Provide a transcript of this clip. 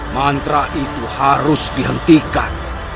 mantra itu harus dihentikan